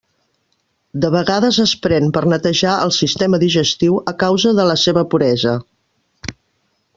De vegades es pren per netejar el sistema digestiu, a causa de la seva puresa.